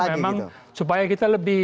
memang supaya kita lebih